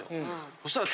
そしたら。